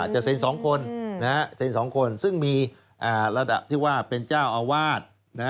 จะเซ็น๒คนเซ็น๒คนซึ่งมีระดับที่ว่าเป็นเจ้าอาวาส